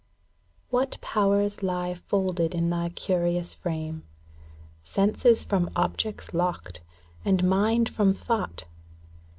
What powers lie folded in thy curious frame, ŌĆö Senses from objects locked, and mind from thought